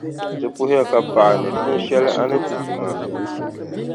Ti puhiya ka paɣi ni pinʼ shɛŋa a ni ti ti maa.